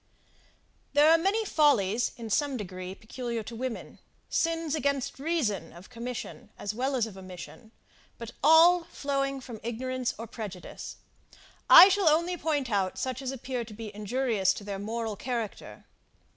There are many follies, in some degree, peculiar to women: sins against reason, of commission, as well as of omission; but all flowing from ignorance or prejudice, I shall only point out such as appear to be injurious to their moral character.